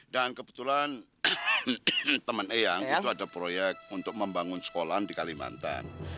dan kebetulan teman eyang itu ada proyek untuk membangun sekolah di kalimantan